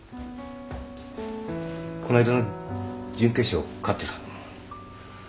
この間の準決勝勝ってさ。